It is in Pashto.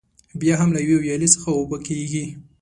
بیا هم له یوې ویالې څخه اوبه کېږي.